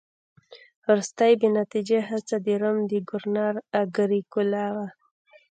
وروستۍ بې نتیجې هڅه د روم د ګورنر اګریکولا وه